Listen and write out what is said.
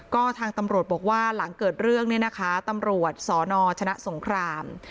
ก็ทางตำรวจบอกว่าหลังเกิดเรื่องเนี่ยนะคะตำรวจสนชนะสงคราม